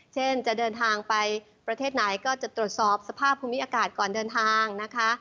เช่นจะเดินทางไปประเทศไหนก็จะตรวจสอบสภาพภูมิอากาศก่อนเดินทางนะคะ